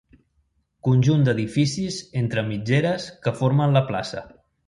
Conjunt d'edificis entre mitgeres que formen la plaça.